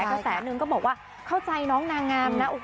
กระแสนึงก็บอกว่าเข้าใจน้องนางงามนะ